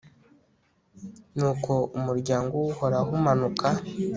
nuko umuryango w'uhoraho umanuka